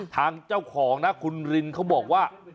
ทางเจ้าของนะคุณรินเขาบอกว่า